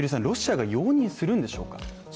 ロシアが容認するんでしょうか？